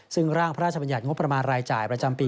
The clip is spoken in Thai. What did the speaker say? ซึ่งร่างพระราชบัญญัติงบประมาณรายจ่ายประจำปี